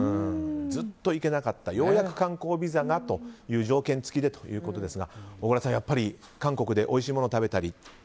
ずっと行けなかったようやく観光ビザが条件付きでということですが小倉さん、やっぱり韓国でおいしいものを食べたり。